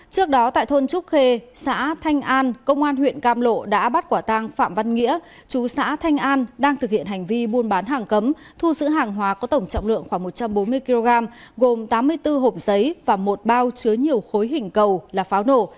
trước đó tại thôn trúc khê xã thanh an công an huyện cam lộ đã bắt quả tăng phạm văn nghĩa chú xã thanh an đang thực hiện hành vi buôn bán hàng cấm thu giữ hàng hóa có tổng trọng lượng khoảng một trăm bốn mươi kg gồm tám mươi bốn hộp giấy và một bao chứa nhiều khối hình cầu là pháo nổ